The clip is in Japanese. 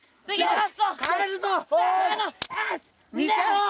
・見せろ！